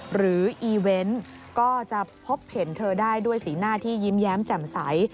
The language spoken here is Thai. หรืออีเวนต์ก็จะพบเห็นเธอได้ด้วยสีหน้าที่ยิ้มแย้มแจ่มใส